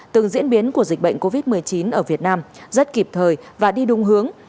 từng diễn biến của dịch bệnh covid một mươi chín ở việt nam rất kịp thời và đi đúng hướng